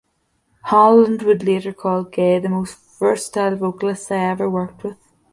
Holland would later call Gaye the most versatile vocalist I ever worked with.